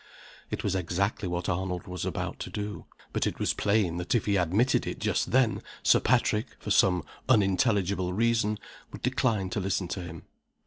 It was exactly what Arnold was about to do. But it was plain that if he admitted it just then Sir Patrick (for some unintelligible reason) would decline to listen to him.